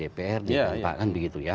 dprd kan pak kan begitu ya